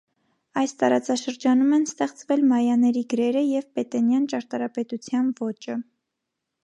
Այս տարածաշրջանում են ստեղծվել մայաների գրերը և պետենյան ճարտարապետության ոճը։